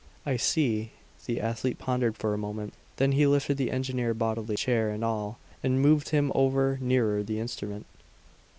"I see." The athlete pondered for a moment. Then he lifted the engineer bodily, chair and all, and moved him over nearer the instrument.